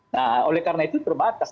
nah oleh karena itu terbatas